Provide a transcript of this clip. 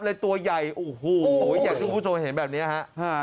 เลยตัวใหญ่โอ้โหอยากทุกผู้ชมเห็นแบบนี้ฮะ